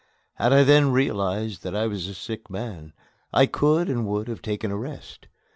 Had I then realized that I was a sick man, I could and would have taken a rest.